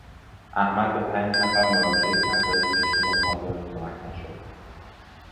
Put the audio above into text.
احمد به پنج نفر مراجعه کرد ولی هیچکدام حاضر به کمک نشدند.